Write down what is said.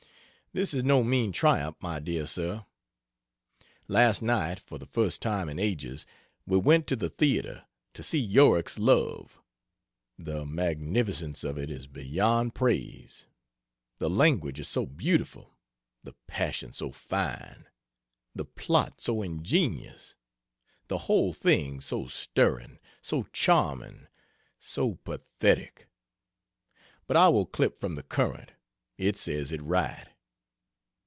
This is no mean triumph, my dear sir. Last night, for the first time in ages, we went to the theatre to see Yorick's Love. The magnificence of it is beyond praise. The language is so beautiful, the passion so fine, the plot so ingenious, the whole thing so stirring, so charming, so pathetic! But I will clip from the Courant it says it right.